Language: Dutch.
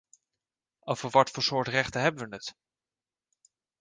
Over wat voor soort rechten hebben we het?